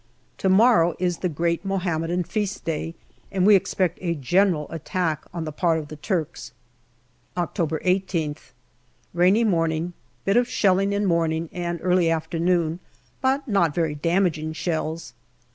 To morrow is the great Mohammedan feast day, and we expect a general attack on the part of the Turks. October 18th. Rainy morning. Bit of shelling in morning and early afternoon, but not very damaging shells.